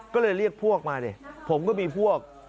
ก็เลยเรียกพวกมาดิผมก็มีพวก